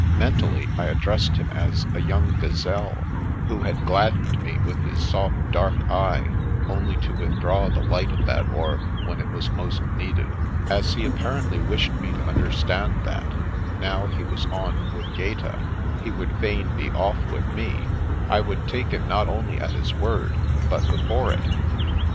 Mentally, I addressed him as a young gazelle who had gladdened me with his soft dark eye, only to with draw the light of that orb when it was most needed. As he apparently wished me to understand that, now he was on with Gaeta, he would fain be off with me, I would take him not only at his word, but before it.